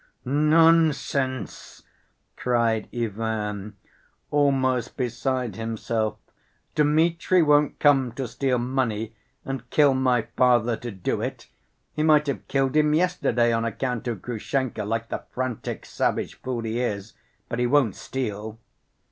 "Nonsense!" cried Ivan, almost beside himself. "Dmitri won't come to steal money and kill my father to do it. He might have killed him yesterday on account of Grushenka, like the frantic, savage fool he is, but he won't steal."